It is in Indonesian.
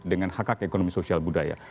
dengan hak hak ekonomi sosial budaya